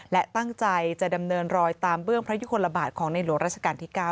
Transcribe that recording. และตั้งใจจะดำเนินรอยตามเบื้องพระยุคลบาทของในหลวงราชการที่๙